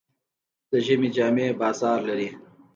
د ژمي جامې بازار لري.